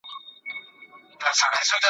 زه به مي ولي لا توبه پر شونډو ګرځومه `